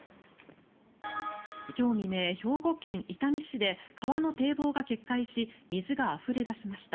今日未明、兵庫県伊丹市で川の堤防が決壊し水があふれ出しました。